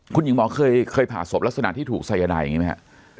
คุณหญิงหมอเคยผ่าศพลักษณะที่ถูกสายนายอย่างนี้ไหมครับ